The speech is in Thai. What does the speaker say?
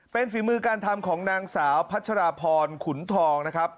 เป็นฝีมือการทำของนางสาวพัชราพรขุนทองนะครับ